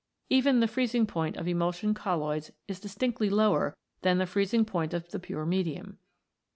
Even the freezing point of emulsion colloids is dis tinctly lower than the freezing point of the pure medium.